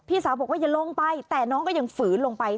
สาวบอกว่าอย่าลงไปแต่น้องก็ยังฝืนลงไป